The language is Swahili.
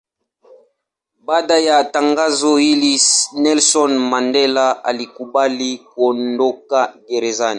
Baada ya tangazo hili Nelson Mandela alikubali kuondoka gerezani.